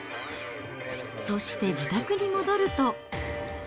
そして自宅に戻ると。